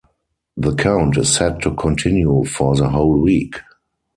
The count is set to continue for the whole week.